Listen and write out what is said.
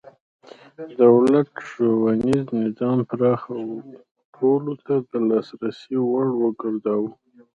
دولت ښوونیز نظام پراخ او ټولو ته د لاسرسي وړ وګرځاوه.